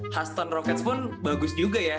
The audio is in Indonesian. khaston rockets pun bagus juga ya